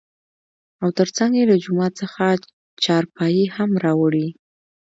او تر څنګ يې له جومات څخه چارپايي هم راوړى .